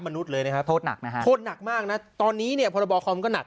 มนุษย์เลยนะครับโทษหนักไหมครับโทษหนักมากน่ะตอนนี้เนี่ยพนบคมก็หนัก